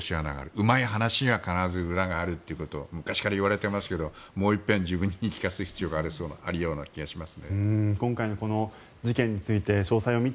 うまい話には、必ず裏があるということを昔から言われていますがもう一遍自分に言い聞かせる必要があると思います。